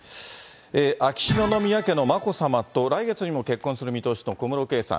秋篠宮家の眞子さまと、来月にも結婚する見通しの小室圭さん。